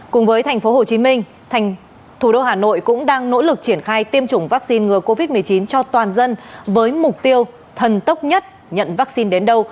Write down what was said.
cùng với tp hcm thủ đô hà nội cũng đang nỗ lực triển khai tiêm chủng vaccine ngừa covid một mươi chín cho toàn dân với mục tiêu thần tốc nhất nhận vaccine đến đâu